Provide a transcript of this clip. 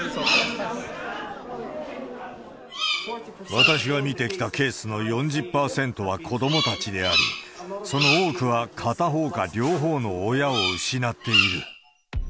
私が見てきたケースの４０％は子どもたちであり、その多くは片方か両方の親を失っている。